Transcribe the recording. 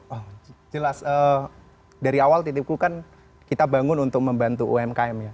oh jelas dari awal titipku kan kita bangun untuk membantu umkm ya